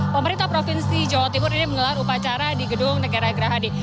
pemerintah provinsi jawa timur ini menggelar upacara di gedung negara gerahadi